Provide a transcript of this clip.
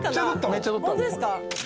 めっちゃ撮った。